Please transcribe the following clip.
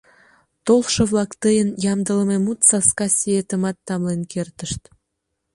Толшо-влак тыйын ямдылыме мут саска сиетымат тамлен кертышт.